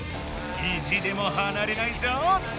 意地でもはなれないぞ！